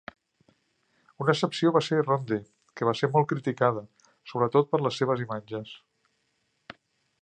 Una excepció va ser "Ronde", que va ser molt criticada, sobretot, per les seves imatges.